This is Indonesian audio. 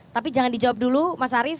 tapi jangan dijawab dulu mas arief